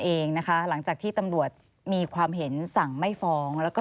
เองนะคะหลังจากที่ตำรวจมีความเห็นสั่งไม่ฟ้องแล้วก็